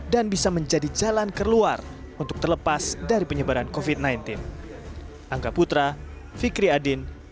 dan bisa menjadi jalan keluar untuk terlepas dari penyebaran covid sembilan belas